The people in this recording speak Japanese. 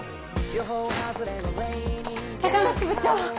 高梨部長！